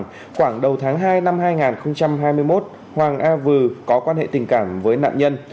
khoảng đầu tháng hai năm hai nghìn hai mươi một hoàng a vừ có quan hệ tình cảm với nạn nhân